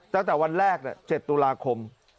ตั้งแต่วันแรก๗ตุลาคม